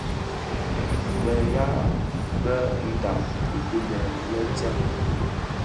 Beya bë ndhaň ukibèè lè tsèn.